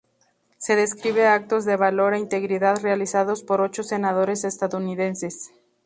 Se describe actos de valor e integridad realizados por ocho senadores estadounidenses.